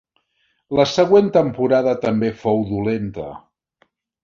La següent temporada també fou dolenta.